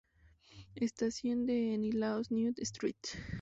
Estación de Nesslau-Neu St.